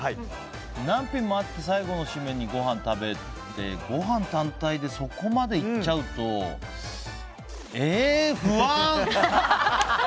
何品もあって最後の締めにご飯を食べてご飯単体でそこまでいっちゃうとえー不安！